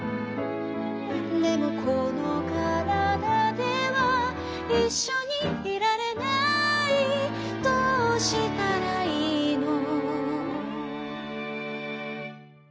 「でもこのからだではいっしょにいられない」「どうしたらいいの」